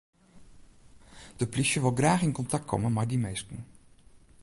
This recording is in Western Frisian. De plysje wol graach yn kontakt komme mei dy minsken.